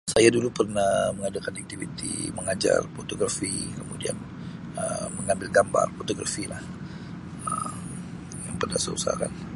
Saya dulu pernah mengadakan aktiviti mengajar fotografi kemudian Um mengambil gambar fotografi lah Um yang pernah saya usahakan.